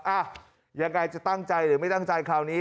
อ่ะยังไงจะตั้งใจหรือไม่ตั้งใจคราวนี้